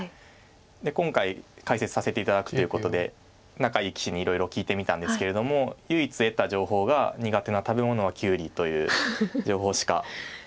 で今回解説させて頂くっていうことで仲いい棋士にいろいろ聞いてみたんですけれども唯一得た情報が苦手な食べ物はキュウリという情報しか手に入らなくて。